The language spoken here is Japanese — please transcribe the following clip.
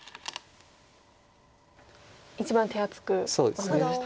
一番手厚く頑張りました。